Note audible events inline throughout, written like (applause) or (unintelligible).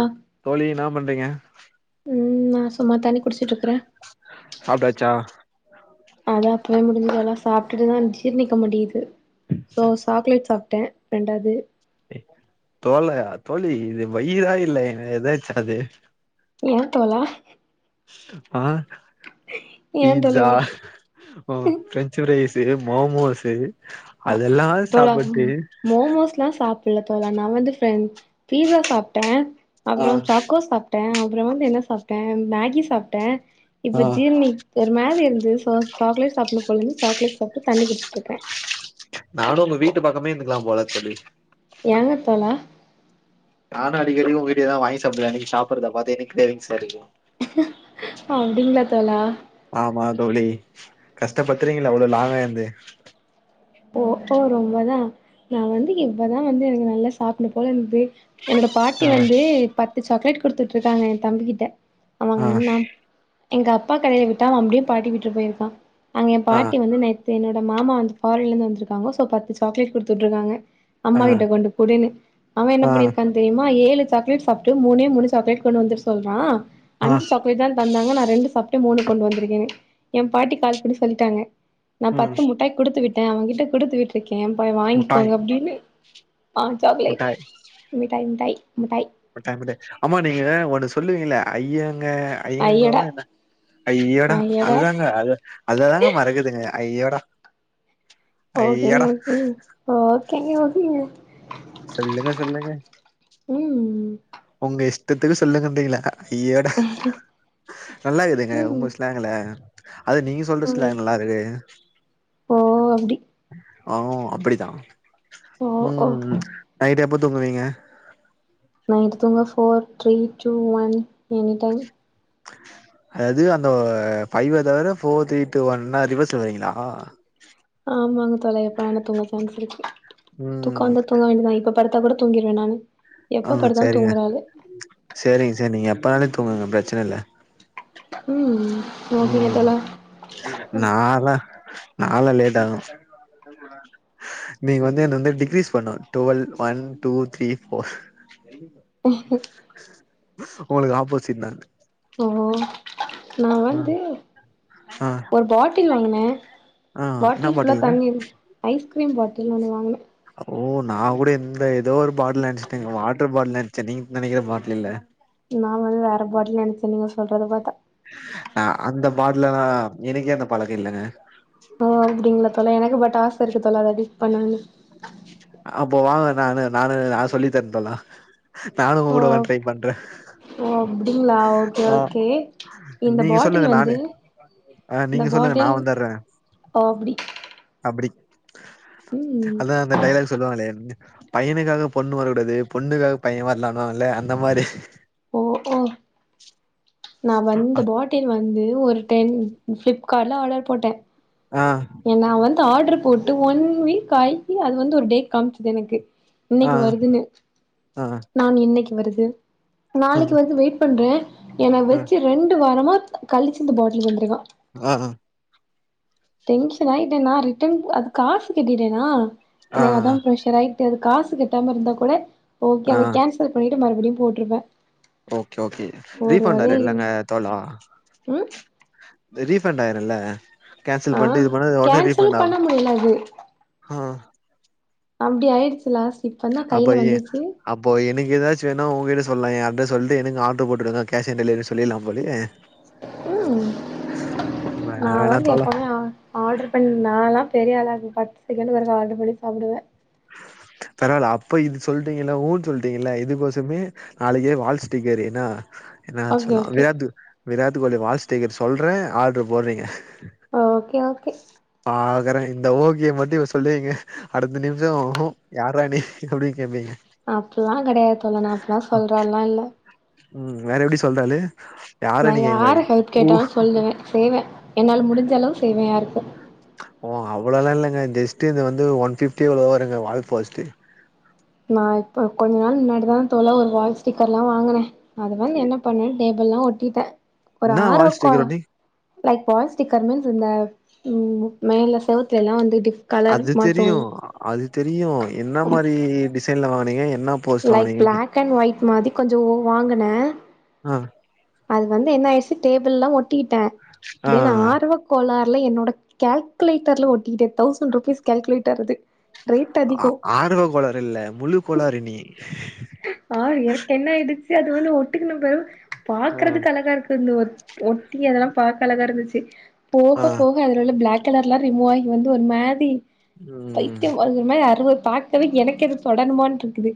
ஆ தோழி என்ன பண்றீங்க ம் நாசும்மா தண்ணி குடிச்சிட்டு இருக்குறே சாப்டாச்சா அது அப்பவே முடிஞ்சதெல்லா சாப்ட்டுட்டுதா ஜீர்ணிக்க முடியுது ஸோ சாக்லேட் சாப்ட்டே ரெண்டாது தோலையா தோழி இது வயிரா இல்ல ஏதாச்சாது ஏ தோழா ஆ ஏ தோழா பீட்சா இப்டி ஓ பிரெஞ்சு ஃரைசு மோமோசு அ அதெல்லா சாப்ட்டு நா அதெல்லா சாப்புல்ல தோழா நா வந்து பிரெஞ் பீசா சாப்ட்டே ஆ அப்பறோ சாக்கோ சாப் ட்டே அப்பறோ வந்து என்ன சாப்ட்டே மேகி சாப்ட்டே ஆ இப்ப ஜீர்ணிக் ஒரு மாரி இருந்துது சோ சாக்லேட் சாப்ண்ணும் போலருந்து சாக்லேட் சாப்ட்டு தண்ணி குடிச்சிட்டுருக்கே நானு உங்க வீட்டு பக்கமே இருந்துக்கலா போல தோழி ஏங்க தோழா நானு அடிக்கடிக்கி உங்கிட்டா எதா வாங்கி சாப்டுக்குவே நீங்க சாப்ட்றத பாத்து எனக்கு க்ரேவிங்ஸ்சா இருக்கு அப்டிங்களா தோழா ஆமா தோழி கஷ்டப்படுத்துறீங்களே அவ்ளோ லாங்கா இருந்து ஓ ஓ ரொம்பதா நா வந்து இப்பதா வந்து எனக்கு நல்லா சாப்ணு போல இருந்தது என்னோட பாட்டி ஆ வந்து பத்து சாக்லேட் குடுத்து வுட்ருக்காங்க ஏ தம்பிகிட்ட அவ அங்க ஆ நின்னா எங்க அப்பா கடைல விட்டா அவே அப்டியே பாட்டி விட்டுக்கு போயிருப்பா அங்க ஏ ஆ பாட்டி வந்து நேத்து என்னோட மாமா வந்து ஃபாரின்ல இருந்து வந்துருக்காங்க சோ பத்து சாக்லேட் குடுத்து வுட்ருக்காங்க ஆ அம்மா கிட்ட கொண்டு போடின்னு அவே என்ன ஆ பண்ணிருக்கான்னு தெரியுமா ஏழு சாக்லேட் சாப்ட்டு மூணே மூணு சாக்லேட் கொண்டு வந்துட்டு சொல்றா ஆ அஞ்சி சாக்லேட் தா தந்தாங்க நா ரெண்டு சாப்ட்டே மூணு கொண்டு வந்திருக்கேனு ஏ பாட்டி கால் பண்ணி சொல்லிட்டாங்க நா ம் பத்து முட்டாய் குடுத்து விட்டே அவேகிட்ட குடுத்து விட்ருக்கே போய் முட்டாய் வாங்கிக்கோங்க அப்டின்னு ஆ சாக்லேட் முட்டாய் மிட்டாய் மிட்டாய் மிட்டாய் மிட்டாய் மிட்டாய் ஆமா நீங்க ஒன்னு சொல்லுவீங்ளே ஐயேங்க ஐங்கோவா ஐயடா! என்ன ஐயோடா ஐயடா! அதுதாங்க அது அததாங்க மறக்குதுங்க ஐயோடா ஓகேங்க ஐயோடா ஓகேங்க ஓகேங்க ஓகேங்க சொல்லுங்க சொல்லுங்க ம் ஒங்க இஷ்டத்துக்கு சொல்லுங்க அப்டீங்ளா ஐயோடா நல்லாகுதுங்க உங்க ம். ஸ்லாங்ல அது நீங்க சொல்ற ம். ஸ்லாங் நல்லாருக்கு ஓ அப்டி. ஆ அப்டிதா ஓ ஓ. ம் நைட்டு எப்ப தூங்குவீங்க நைட்டு தூங்க four three two one any time அதாது அந்த ஃபைவ தவற ஃபோர் த்ரீ டு ஒன்ன்னா ரிவர்ஸ் வரீங்ளா ஆமாங்க தோழரே எப்ப வேணா தூங்க சான்ஸ் இருக்கு தூக்கோ ம் வந்தா தூங்க வேண்டிதா இப்ப படுத் தா கூட தூங்கீர்வே நானு ஆ எப்ப படுத்தாலும் சரிங்க தூங்குற ஆளு. சரிங்க சரிங்க நீங்க எப்ப வேணா தூங்குங்க பிரச்சன இல்ல ம் ஓகேங்க ம் தோழா. நாலா நாலா லேட் ஆகு நீங்க வந்து என்ன வந்து டிக்ரீஸ் பண்ணனு twelve one two three four ஒங்களுக்கு ஆப்போசிட் நா ஓ நா வந்து ஆ ஒரு பாட்டில் வாங்குனே ஆ என்ன பாட்டில் ஃபுல்லா பாட்டிலுங்க தண்ணி இருக் ஐஸ்கிரீம் பாட்டில்ன்னு ஒன்னு வாங்குனே ஓ நா கூட இந்த ஏதோ ஒரு பாட்டல் நெனச்சுட்டேங்க வாட்டர் பாட்டல் நெனச்சே நீங்க நெனைக்கிற பாட்டல் இல்ல நா வந்து வேற பாட்டல் நெனைச்ச நீங்க சொல்றது பாத்தா ஆ அந்த பாட்லல்லா எனக்கே அந்த பழக்கொ இல்லங்க ஓ அப்டிங்ளா தோழர் எனக்கு பட் ஆச இருக்கு தோழர் அப்டி பன்லானு அப்போ வாங்கள நானு நானு நா சொல்லி தரட்டெல்லா நானு ஒ ஓ கூட வேணா ட்ரை பண்ற ஓ அப்டிங்ளா ஓகே ஓகே இந்த நீங்க சொல்லுங்க பாட்டில் நானு வந்து ஆ இந்த நீங்க சொல்லுங்க நா பாட்டில் வந்துட்றே ஓ அப்டி அப்டி ம் அதா அந்த டைலாக்ஸ் பையனுக்காக பொண்ணு வரக்கூடாது பொண்ணுக்காக பைய வரலான்னுவால்ல அந்த மாரி ஓ ஓ நா வந்து பாட் டில் வந்து ஒரு டென் ஃபிளிப்கார்ட்ல ஆடர் போட்ட ஆ ஏ நா வந்து ஆட்ரு போட்டு ஒன் வீக் ஆயி அது வந்து ஒரு டேட் காமிச்சுது எனக்கு ஆ இன்னிக்கி வருதுன்னு ஆ நா இன்னிக்கி வருது ஆ நாளைக்கி வருது வெய்ட் பண்ற எனன வச்சு ரெண்டு வாரமா கழிச்சி இந்த பாட்டில் தந்ருக்கா ஆஹ டென்ஷனாயிட்ட நா ரிட்டன் அது காசு கட்டிட்டேனா எனக்கு அதா ஆ பிரெஷர் ஆயி ட்டு காசு கட்டாம இருந்தா கூட ஓகே ஆ அத கேன்சல் பண்ணிட்டு மறுபடியு போட்ருப்ப ஓகே ஓகே ரீபண்ட் வரு இல்லங்க தோழா ம் அது ரீஃபண்ட் ஆயிருல்ல கேன்சல் ஆ பண்ட்டு இது பண்ணா ஒடனே கேன்சலு ரீஃபண்ட் ஆவு பண்ண முடியல அது ஆ அப்டி ஆய்டுச்சு லாஸ் அப்பயே அப்போ எனக்கு எதாச்சு வேணா ஒங்கிட்ட சொல்லா எ அட்ரஸ் சொல்ட்டு எனக்கு ஆட்ரு போட்டுருங்க கேஷ் ஆன் டெலிவரி சொல்லிட்லா போலியே ம் வேணா தோழா ஆர்டரு பண்ணி மேலா பெரிய ஆளா பத்து செகண்டு் வரைக்கு ஆர்டரு பண்ணி சாப்டுவ பரவால்ல அப்ப இது சொல்லிட்டீங்ல்ல ஊன்னு சொல்லிட்டீங்கல்ல இதுக்கோசரமே நாளைக்கு வால் ஸ்டிக்கரு ஏனா என்ன ஓகே சொல்லா okay Virat Virat Kohli wall sticker சொல்ற ஆர்ட்ரு போட்றீங்க ஓகே ஓகே ஆகற இந்த ஓகிய மட்டு இப்ப சொல்லீங்க அடுத்த நிமிஷோ யார்ர நீ அப்டி கேப்பீங்க அப்பில்லா கெடையாது தோழா நா அப்ல்லா சொல்ற ஆள்லா இல்ல ம் வேற எப்டி சொல்ற ஆளு நா யாரு ஹெல்ப் கேட்டாலு சொல்லுவ செய்வ என்னால முடிஞ்ச அளவு செய்வ யாருக்கு ஓ அவ்ளவு இல்லங்க ஜஸ்ட் இந்த வந்து ஒன் ஃபிஃப்டி எவ்ளோ வருங்க வால் போஸ்ட்டு நா இப்ப கொஞ்ச நாள் முன்னாடி தா தோழா ஒரு வால் ஸ்டிக்கர் எல்லா வாங்குன அது வந்து என்ன பண்ண டேபிள்லா ஒட்டிட்ட ஒரு என்னா வால் ஆர்வகோ ஸ்டிக்கர் ஒட்டி லைக் பால் ஸ்டிக்கர் மீன்ஸ் இந்த மேல செவத்துல எல்லா டிஃப் வந்து கலர் அது தெரியு மாத்துவோ அது தெரியு என்ன மாரி டிசைன்ல வாங்கனீங்க என்ன போஸ்ட் லைக் வாங்குனீங்கன்னு கேட் பிளாக் அண்ட் ஒயிட் மாதி கொஞ்சோ வாங்கன ஆ அது வந்து என்ன ஆய்ச்சு டேபிள் எல்லா ஒட்டிட்ட ஆ தென் ஆர்வ கோளாற்ல என்னோட கால்குலேட்டர்ல ஒட்டிட்டே தௌசண்ட் ருபீஸ் கால்குலேட்டர் அது ரேட் அதிகோ ஆர்வ கோளாறு இல்ல முழு கோளாறு நீ ஆ எனக் ஆய்டுச்சு அது வந்து ஒட்டுக்கு நம்மற ஆ பாக்குறதுக்கு அழகா இருக்கு இருந்து ஒ ஒட்டி அதெல்லாம் பாரக்க அழகா இருந்துச்சு ஆ போக போக அதில் உள்ள பிளாக் கலர் எல்லாம் ரிமூவ் ஆகி வந்து ஒரு மாதிரி ம் பைத்தியம் ஒரு மாதிரி அறுபது பேக் எனக்கு இது தொடணுமான்ட்டு இருக்குது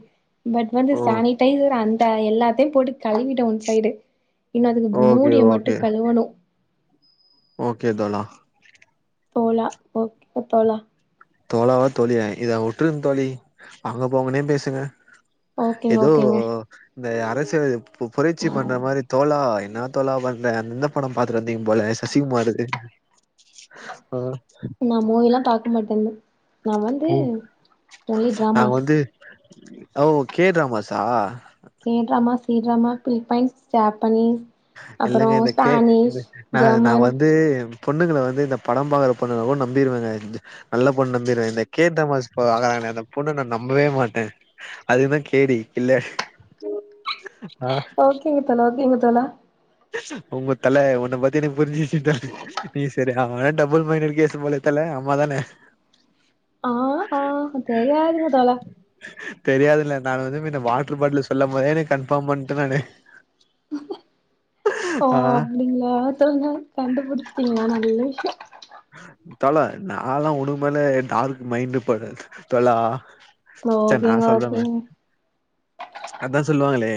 பட் வந்து ஓ சானிடைசர் அந்த எல்லாத்தையும் போட்டு கழுவிட்டே ஒன் சைடு இன்னும் அதுக்கு ஓகே மூடிய மட்டு கழுவணும் ஒகே‌ தோழா தோழா ஓகே தோழா தோழாவா தோழிய இதா உறட்ருங்க தோழி வாங்க போங்கனே பேசுங்க ஓகேங்க ஏதோ ஓகேங்க இந்த அரசியல்வாதி புரட்சி பண்ற மாதிரி தோழா என்ன தோழா பண்ற அந்த படம் பாத்து வந்தீங்க போல சசிகுமார் (inaudible) ஆ நான் மோவல்லாம் பாக்க மாட்டே நான் வந்து ஓ ஓன்லி நாங்க டிராம வந்து ஓ கே ட்ராமாசா K drama C drama Philippines Japanese அப்புறோ இல்ங்க இந்த கே இந்த ஸ்பானிஷ் ந நான் ஜெர்மன் வந்து பொண்ணுங்களை வந்து இந்த படம் பாக்ற பொண்ணுங்கள கூட நம்பிருவேங்க நல்ல பொண்ணு நம்பிடுவேன் இந்த கே ட்ராமாஸ் பாக்கறாங்களே அந்த பொண்ணை நான் நம்பவே மாட்டேன் அதுத கேடி இல்ல ஆ ஓகேங்க தோழா ஓகேங்க‌ தோழா உங்க தல உன்னை பத்தி எனக்கு புரிஞ்சுச்சுருச்சு தல நீ சரியான டபுல் மைன்டடு கேஸ் போல தல ஆமா தான ஆ ஆ தெரியதுங்க தோழா தெரியாதுல நா வந்து வாட்டர் பாட்டில் சொல்லும் போதே நா கன்ஃபார்ம் பண்ணட்டேன் நானு ஓ ஆ அப்படிங்களா தோழா கண்டுபிடிச்சீங்களா நல்ல தோழா நாளாக உனக்கு மேல டார்க் மைண்ட் போடு தொழா ச்ச நா ஓகேங்க சொல் ஓகேங்க அதான் சொல்லுவாங்களே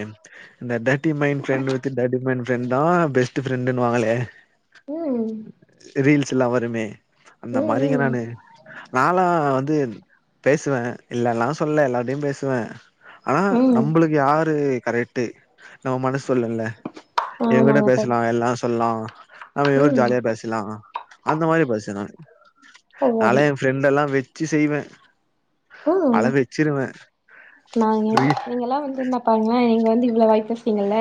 இந்த டர்ரனட்டி மைன்ட் ஃபிரண்ட மை ஃப்ரெண்ட தான் பெஸ்ட் ஃரெண்டுன்னுவாங்களே ம் ரீல்ஸ்ல்லாம் வருமே அந்த ம் மாறிங்க ம் நானு நானாம் வந்து பேசுவேன் இல்லல்லாம் சொல்ல எல்லார்டையும் பேசுவேன் ஆனா ம் நம்மளுக்கு யாரு கரெக்ட் நம்ம மனசு சொல்லுல இவன்கிட்ட ஆமாங்க தோழா பேசலாம் எல்லா‌ சொல்லலாம் நம்ம இவரும் ம் ஜாலியா பேசலாம் அந்த மாதிரி பேசுவே‌‌ நானு ஓ நால அப்டி ஃப்ரெண்டெல்லாம் வெச்சிசெய்வே அழ ம் வச்சிருவேன் நாங்க நீங்கல்லாம் வந்து என்ன பாருங்களா நீங்க வந்து இவ்ளோ வாய் பேசறீங்கல்ல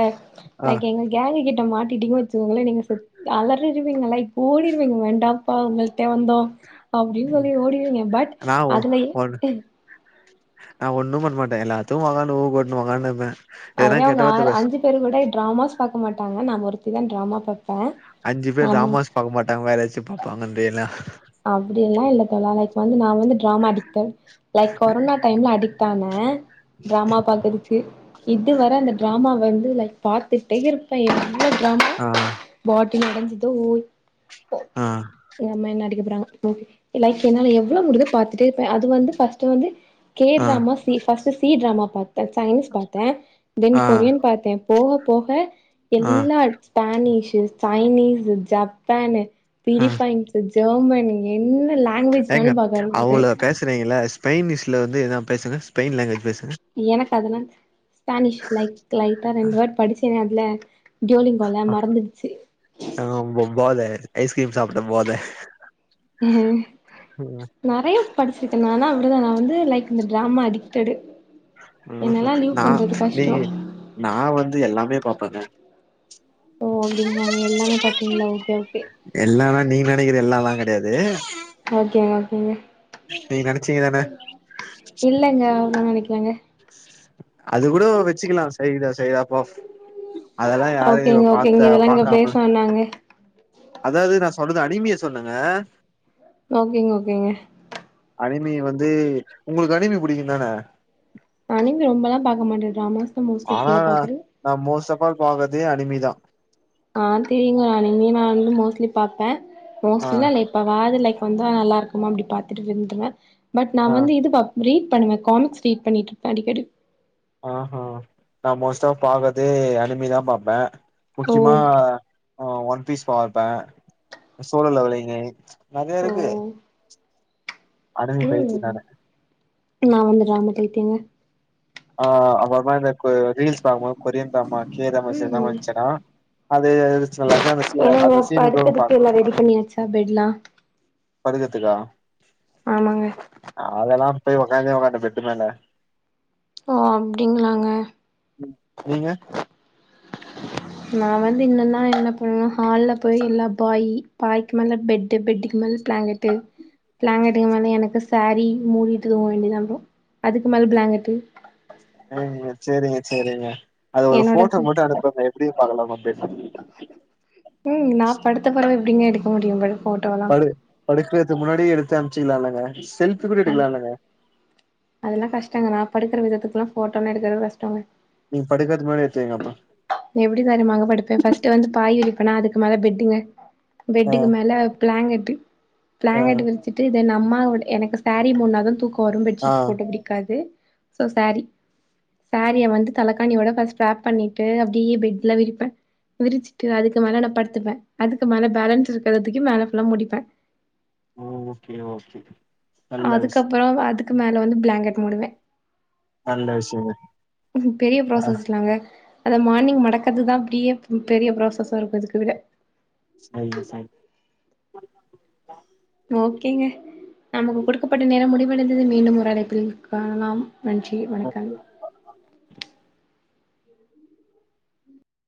ஆ லைக் எங்க கேங்கு கிட்ட மாட்ட்டீங்க வச்சுக்கோங்களே நீங்க அலறிடுவீங்க லைக் ஓடிருவீங்க வேண்டாம்ப உங்கள்டே வந்தோம் அப்படின்னு சொல்லி ஓடிவீங்க பட் அதுல நான் ஒண்ணும் பண்ணமாட்டேன் எல்லாத்தும் ஒக்கானு ம் கோட்னு ஒக்கானப்பேன் அதுவே அவங்க ஆ அஞ்சு பேர் கூட டிராமஸ் பாக்க மாட்டாங்க ந ஒருத்தி தான் டிராமா பா அஞ்சு பேர் ட்ராமாஸ் பாக்க மாட்டாங்க வேற எதாச்சும் பாப்பாங்கன்றீயலா அப்படில்லாம் இல்ல தோழா லைக் வந்து நா வந்து டிராமா அடிக்ட் லைக் கொரோனா டைம்ல அடிக்டானே டிராமா பாக்கறதுக்கு இதுவர அந்த டிராம வந்து லைக் பார்த்துட்டே இரு இப்ப எவளோ டிராமா ஆ பாட்டி நடந்துதோ ஓய் ஆ போடி ஓ மே நடிக் லைக் என்னால எவ்வளவு முடி பார்த்தட்டே இருப்பா அது வந்து ஃபஸ்ட் வந்து கே ஆ ட்ராமாஸ் ஃபர்ஸ்ட் சி டிராமா பார்த்தே சயின்ஸ் பார்த்தே தென் ஆ கொரியன் பார்த்தே போக போக ஆ எல்லா ஸ்பானிஷு சைனீஸ் ஜப்பானு ஆ பிலிப்பைன்ஸ் ஜெர்மனி என்ன லாங்குவேஜ்னாலு பாக்க ஆரம்மூச்சிட்ட பாக்குறீங்களா ஸ்பயனிஷல வந்து எதா பேசுங்க ஸ்பயின் லாங்குவேஜ் பேசுங்க எனக்கு அதெல்லா ஸ்பானிஷ் லைக் லைட் டா ரெண்டு வேர்ட் படிச்சேநெ அதுல ஜோலிங்கோல மறந்துடுச்சு ஆ போத ஐஸ் கிரீம் சாப்ட்ட போத ஹம் நிறைய படிச்சிருக்கே ஆனா அப்படிதா நா வந்து லைக் இந்த டிராம அடிக்ட்டடு நா நீ கஷ்டோ நா வந்து எல்லாமே பாப்பங்க ஓ அப்படிங்காங்க எல்லாமே பாப்பீங்களா ஓகே ஓகே எல்லாம் நீ நினைக்கர எல்லால கிடையாது ஓகே ஓகேங்க நெனச்சீங்க தான இல்லங்க ஒன்னு நினைக்கலாங்க அது கூட வச்சுக்கலா சைடு சைடப்பா அதெல்லா யாரையு இ பார்த்த பாக்காம ஆனாங்க அதாவது நா சொன்னது அனிமியா சொன்னங்க ஓகேங்க ஓகேங்க அனிமி வந்து உங்களுக்கு அனிமி பிடிக்கும் தான அனிமி ரொம்பல்லா பாக்க மாட்டே டிராமாஸ் தா மோஸ்ட்லி ஆனா ஃபுல்லா பாக்குறது நா மோஸ்ட் ஆஃப் ஆல் பா்கறதே அனிமிதா ஆ தெரியுங்க அனிமிய நா வந்து மோஸ்லி பாப்பே ஆ மோஸ்ட்லினா வேற லைக் வந்து நல்லா இருக்குமா அப்ப பாத்துட்டு இருந்து பட் நா ஆ வந்து இது பா ரீட் பண்ணுவ காமிக்ஸ் ரீட் பண்ணிட்டு இருப அடிக்கடி ஆ அ நா மோஸ்டா பாக்குறதே அனிமிதா பாப்பே ஓ முக்கியமா ஒன் பீஸ் பாப்ப சோழலலவலிங்கே நிறைய ஓ இருக்கு அனிமி பைத்திய ம் நானு நா வந்து டிராமா பைத்தியங்க ஆ அப்புறம இந்த ரீல்ஸ் பாக்கும்போது கொரியன் ட்ராமாஸ் கே ட்ராமாஸ் எதனா ம் வந்துச்சன்னா அது அது வச்ச நா அஞ்ச கிளாஸ் ஏன்னங்க படுக்கதுக்கு எல்லா ரெடி பண்ணியாச்சா பெட் எல்லா படுக்கதுகா ஆமாங்க அதெல்லா போயி உக்காந்தே உக்காண்ட பெட்டு மேல ஓ ஆப்டிங்கலாங்க ம் நீங்க நா வந்து இன்னென்னா என்ன பண்ணணுவ ஹால்ல போய் எல்லா பாய் பாய்க்க மேலே பெட்டு பெட்டுக்கு மேல பிளாங்கட் டு பிளாங்கட்டுக்கு மேல எனக்கு சரி மூடிட்டு தூங்க வேண்டியது தா அப்புறம் அதுக்கு மேல பிளாங்கட்டு சேரிங்க செரிங்க செரிங்க அது ஒரு என்னோட ஃபோட்டோ மட்டு அனுப்புங்க எப்டியு பாக்கலமா (unintelligible) ம் நா படுத்த பொடவ எப்டிங்க எடுக்க முடியுங்கள் படு படுக்கற்துக்கு முன்னாடி எடுத்து அம்ச்சிக்கலா இல்லங்க செல்ஃபி கூட எடுக்கலா இல்லங்க அதெல்லா கஷ்டங்கறா படுக்கற விதத்துக்லா ஃபோட்டோல்லா எடுக்கறது கஷ்டோங்க நீங் படுக்கற்து முன்னாடி எடுத்து வைங்க அப்ப எப்டி வேணு மாங்க படுப்ப ஃபஸ்ட்டு வந்து பாய் இருக்குனா அதுக்கு மேல பெட்டுங்க ஆ பெட்டுக்கு மேல பிளாங்கட்டு பிளாங்கட் ஆ விரிச்சி ட்டு இது நம்ம எனக்கு சேரீ மூட்னா தா தூக்க வரு ஆ பெட்ஷீட் போட்டு புடிக்காது சோ சேரீ சேரீய வந்து தலகாணி ஒட ஃபஸ்ட் ராப் பண்ணிட்டு அப் டியே பெட்ல விரிப்ப விரிச்சிட்டு அதுக்கு மேல நா படுத்துப்பே அதுக்கு மேல பேலன்ஸ் இருக்கறதுக்கு மேல ஃபுல்லா முடிப்பே ஓகே ஓகே நல்ல விஷ் அதுக்கப்புறோ அதுக்கு மேல வந்து பிளாங்கட் முடுவே நல்ல விஷ்யங்க ம் பெரிய ப்ராசஸ்ல்லங்க அத மார்னிங் மடக்கற்து தா பெரிய பெரிய ப்ராசஸா இருக்கு அதுக்கு விட ஐ உசைன் ஓகேங்க நமக்கு குடுக்கப்பட்ட நேரம் முடிவடைந்தது மீண்டும் ஒரு அழைப்பில் காணலாம் நன்றி ஓகே வணக்கம் ஓகேப்பா